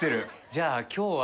じゃあ今日は。